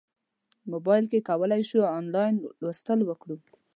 موبایل کې کولی شو انلاین لوستل وکړو.